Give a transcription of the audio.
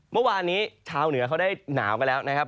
เมื่อวานนี้ชาวเหนือเขาได้หนาวไปแล้วนะครับ